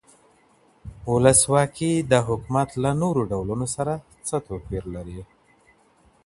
ولسواکي د حکومت له نورو ډولونو سره څه توپير لري؟